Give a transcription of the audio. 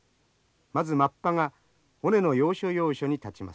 まずマッパが尾根の要所要所に立ちます。